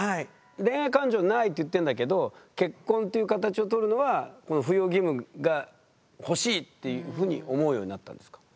「恋愛感情ない」って言ってんだけど結婚という形をとるのはこの扶養義務がほしいっていうふうに思うようになったんですか？